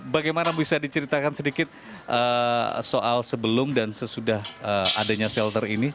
bagaimana bisa diceritakan sedikit soal sebelum dan sesudah adanya shelter ini